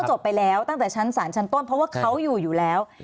จบไปแล้วตั้งแต่ชั้นศาลชั้นต้นเพราะว่าเขาอยู่อยู่แล้ว